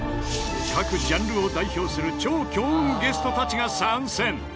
各ジャンルを代表する超強運ゲストたちが参戦。